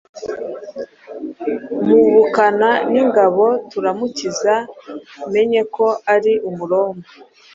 mpubukana n’ingabo turamukiza, menye ko ari Umuroma.